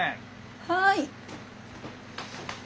はい。